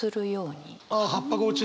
あっ葉っぱが落ちる。